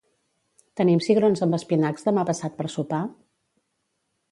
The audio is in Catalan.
Tenim cigrons amb espinacs demà passat per sopar?